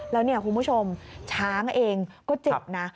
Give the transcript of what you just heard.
แล้วเนี่ยคุณผู้ชมช้างเองก็เจ็บนะ